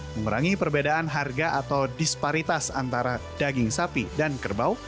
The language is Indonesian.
mengurangi perbedaan harga atau disparitas antara daging sapi dan kerbau